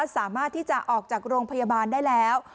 สามารถที่จะออกจากโรงพยาบาลได้แล้ว